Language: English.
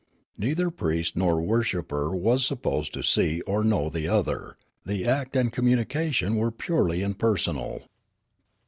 Neither priest nor worshipper was sup posed to see or know the other ; the act and communi cation w'ere purely impersonal.